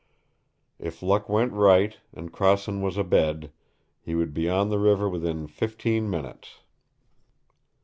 If luck went right, and Crossen was abed, he would be on the river within fifteen minutes.